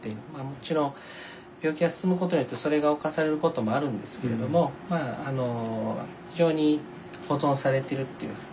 もちろん病気が進む事によってそれが侵される事もあるんですけれども非常に保存されてるっていう。